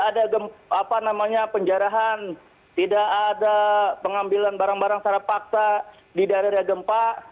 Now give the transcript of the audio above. ada penjarahan tidak ada pengambilan barang barang secara paksa di daerah daerah gempa